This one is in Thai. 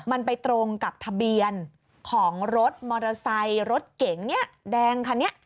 มันไปตรงกับทะเบียนของรถมอเตอร์ไซค์รถเก๋งเนี่ยแดงคันนี้